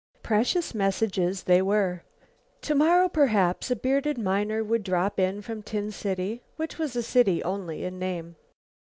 Precious messages they were. Tomorrow, perhaps, a bearded miner would drop in from Tin City, which was a city only in name.